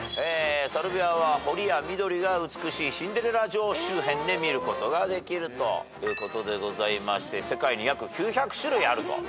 サルビアは堀や緑が美しいシンデレラ城周辺で見ることができるということでございまして。